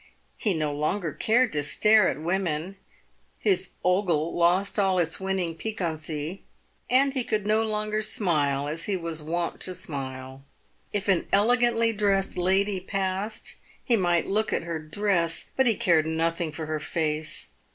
He no longer cared to stare at women, his ogle lost all its winning piquancy, and he could no longer smile as he was wont to smile. If an elegantly dressed lady passed, he might look at her dress, but he cared nothing for her face.